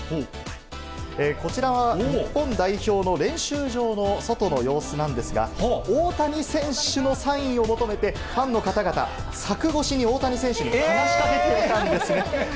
こちらは日本代表の練習場の外の様子なんですが、大谷選手のサインを求めて、ファンの方々、柵越しに大谷選手に話しかけていたんですね。